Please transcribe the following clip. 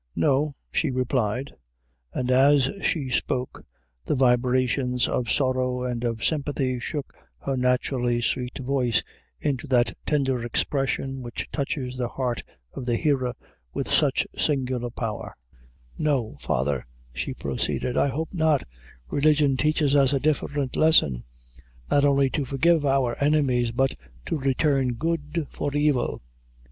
"No," she replied; and as she spoke, the vibrations of sorrow and of sympathy shook her naturally sweet voice into that tender expression which touches the heart of the hearer with such singular power "no, father," she proceeded, "I hope not; religion teaches us a different lesson not only to forgive our enemies, but to return good for evil."